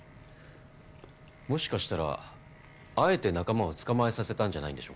もしかしたらあえて仲間を捕まえさせたんじゃないんでしょうか。